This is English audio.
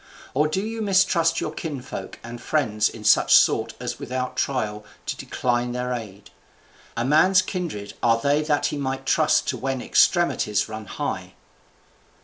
or do you mistrust your kinsfolk and friends in such sort as without trial to decline their aid? A man's kindred are they that he might trust to when extremities run high."